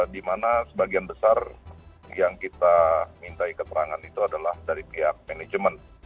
dimana sebagian besar yang kita minta ikat perangan itu adalah dari pihak manajemen